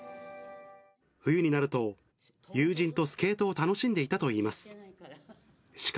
冬になると、友人とスケートを楽しんでいたといいます。